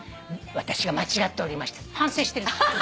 「私が間違っておりました」反省してる。